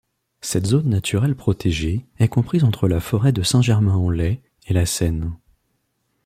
Cette zone naturelle protégée est comprise entre la forêt de Saint-Germain-en-Laye et la Seine.